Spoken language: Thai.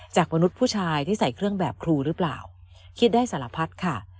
มนุษย์ผู้ชายที่ใส่เครื่องแบบครูหรือเปล่าคิดได้สารพัดค่ะ